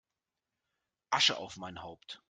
Asche auf mein Haupt!